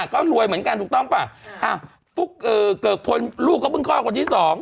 เขารวยเหมือนกันถูกต้องปะฟุกเกิดคนลูกก็เพิ่งคลอดกว่าที่สอง